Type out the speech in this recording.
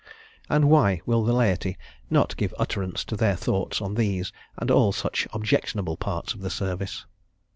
And why will the laity not give utterance to their thoughts on these and all such objectionable parts of the Service?